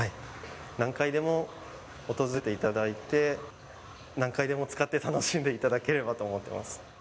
何回でも訪れていただいて、何回でも使って楽しんでいただければと思っています。